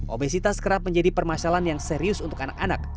obesitas kerap menjadi permasalahan yang serius untuk anak anak